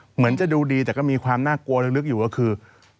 เหมือนจะดูดีแต่ก็มีความน่ากลัวลึกอยู่ก็คือ